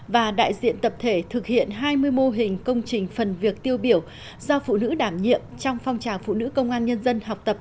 và đại diện tập thể thực hiện hai mươi mô hình công trình phần việc tiêu biểu do phụ nữ đảm nhiệm trong phong trào phụ nữ công an nhân dân học tập